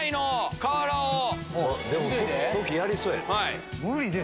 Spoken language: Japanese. でもトキやりそうやで。